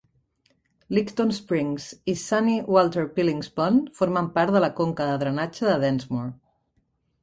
Licton Springs i Sunny Walter-Pillings Pond formen part de la conca de drenatge de Densmore.